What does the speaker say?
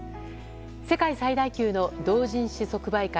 世界最大級の同人誌即売会